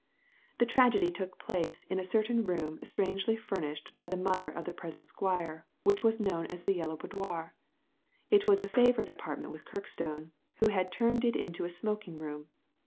>., The tragedy took place in a certain room strangely furnished by the mother of the present squire, which was known as the Yellow Boudoir. It was a favourite apartment with Kirkstone, who had turned it into a smoking room.